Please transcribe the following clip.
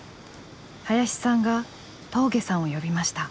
林さんが峠さんを呼びました。